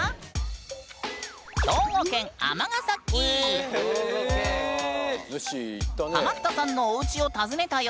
続いてハマったさんのおうちを訪ねたよ！